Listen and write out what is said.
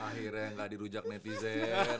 akhirnya nggak dirujak netizen